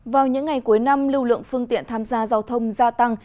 vào những ngày cuối năm lưu lượng phương tiện tham gia giao thông gia tăng